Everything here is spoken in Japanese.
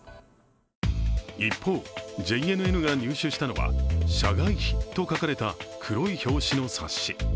一方、ＪＮＮが入手したのは社外秘と書かれた黒い表紙の冊子。